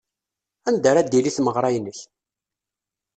Anda ara d-tili tmeɣra-inek?